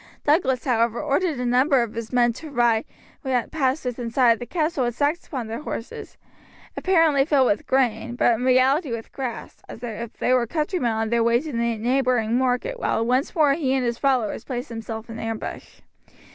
Douglas, however, ordered a number of his men to ride past within sight of the castle with sacks upon their horses, apparently filled with grain, but in reality with grass, as if they were countrymen on their way to the neighbouring market town, while once more he and his followers placed themselves in ambush.